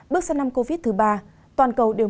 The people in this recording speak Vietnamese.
bước sang năm covid thứ ba toàn cầu đều